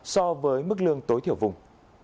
so với mức lương tối thiểu vùng